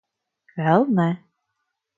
Vēl ne.